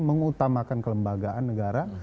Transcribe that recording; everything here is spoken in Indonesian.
mengutamakan kelembagaan negara